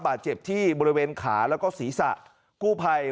บาดเจ็บที่บริเวณขาแล้วก็ศีรษะกู้ภัย